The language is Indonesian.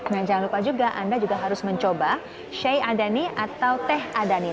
nah jangan lupa juga anda juga harus mencoba shai adani atau teh adani